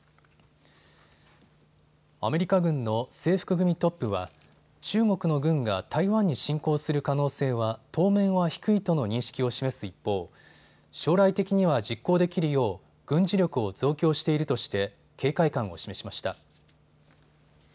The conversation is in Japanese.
アメリカ軍の制服組トップは中国の軍が台湾に侵攻する可能性は当面は低いとの認識を示す一方、将来的には実行できるよう軍事力を増強しているとして警戒感を示しました。